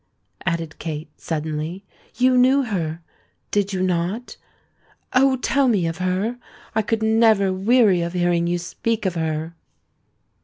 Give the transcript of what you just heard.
added Kate, suddenly; "you knew her—did you not? Oh! tell me of her: I could never weary of hearing you speak of her."